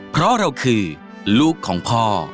เพราะเราคือลูกของพ่อ